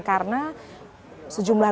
karena sejumlah rumah